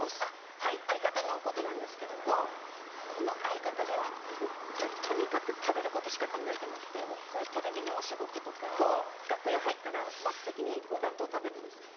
はい相方のことなんですけどこの相方がホントにとにかく食べることしか考えてなくてこういうテレビのお仕事とか楽屋入ったら真っ先にお弁当食べるんです。